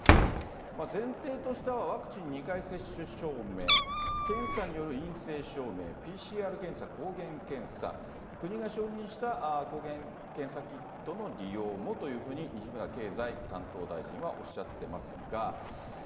前提としては、ワクチン２回接種証明、検査による陰性証明、ＰＣＲ検査、抗原検査、国が承認した抗原検査キットの利用もというふうに西村経済担当大臣はおっしゃってますが。